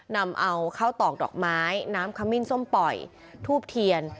นำเอาข้าวตอกดอกไม้น้ำขมิ้นส้มปล่อยทูบเทียน